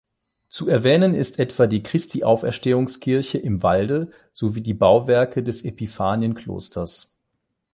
Zu erwähnen ist etwa die "Christi-Auferstehungs-Kirche im Walde" sowie die Bauwerke des "Epiphanien-Klosters".